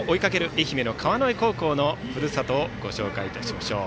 愛媛の川之江高校のふるさとをご紹介いたしましょう。